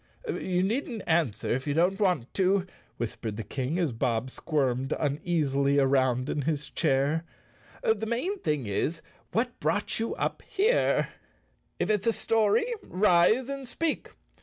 "You needn't answer if you don't want to," whis¬ pered the King, as Bob squirmed uneasily around in his chair. "The main thing is, what brought you up here? " If it's a story, rise and speak.